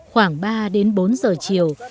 khoảng ba đến bốn giờ chiều